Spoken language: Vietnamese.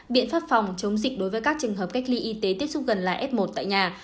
biện pháp phòng chống dịch đối với các trường hợp cách ly y tế tiếp xúc gần là f một tại nhà